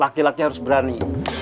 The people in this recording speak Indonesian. laki laki harus berani